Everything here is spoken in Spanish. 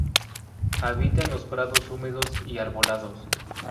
Habita en los prados húmedos y arbolados.